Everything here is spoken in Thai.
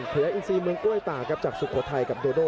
เหลืออินซีเมืองกล้วยตากครับจากสุโขทัยกับโดโด